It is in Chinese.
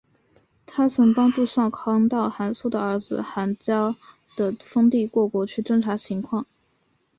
她曾帮助少康到寒浞的儿子寒浇的封地过国去侦察情况。